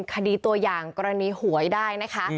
คดีตัวอย่างกรณีหวยได้นะคะ